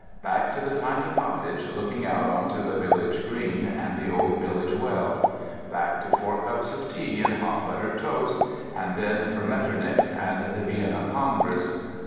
Back to the tiny cottage looking out onto the village green and the old village well; back to four cups of tea and hot buttered toast; and then for Metternich and the Vienna Congress.